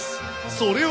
それは。